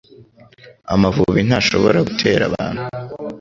Amavubi ntashobora gutera abantu